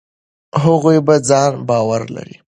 هغوی په ځان باور لري.